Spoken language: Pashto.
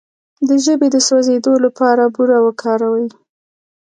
د ژبې د سوځیدو لپاره بوره وکاروئ